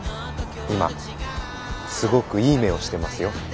今すごくいい目をしてますよ。